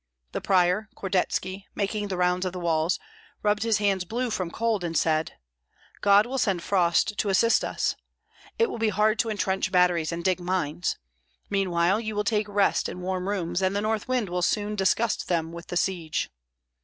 The prior, Kordetski, making the rounds of the walls, rubbed his hands blue from cold, and said, "God will send frost to assist us. It will be hard to intrench batteries and dig mines; meanwhile you will take rest in warm rooms, and the north wind will soon disgust them with the siege."